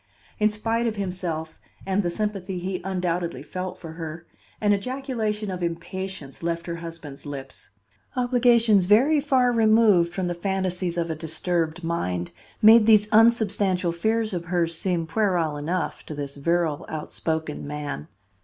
In spite of himself and the sympathy he undoubtedly felt for her, an ejaculation of impatience left her husband's lips. Obligations very far removed from the fantasies of a disturbed mind made these unsubstantial fears of hers seem puerile enough to this virile, outspoken man.